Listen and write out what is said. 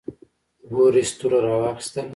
بوریس توره راواخیستله.